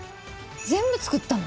「全部造ったの？」